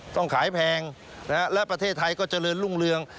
ต้องขายแพงและประเทศไทยก็เจริญรุ่งเรือง